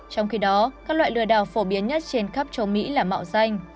trong khi đó các loại lừa đảo phổ biến nhất trên khắp châu mỹ là mạo danh